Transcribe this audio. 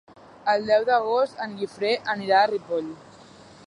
El deu d'agost en Guifré anirà a Ripoll.